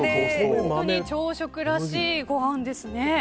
本当に朝食らしいごはんですね。